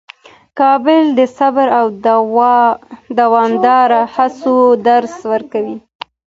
کابل د صبر او دوامداره هڅو درس ورکوي.